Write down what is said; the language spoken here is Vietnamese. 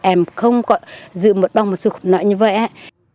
em không có giữ một đồng một số khu nội như vậy